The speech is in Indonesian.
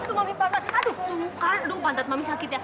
aduh itu mami pangkat aduh tuh bukan aduh pangkat mami sakit ya